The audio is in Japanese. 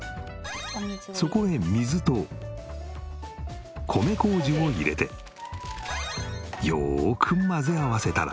そこへ水と米こうじを入れてよーく混ぜ合わせたら。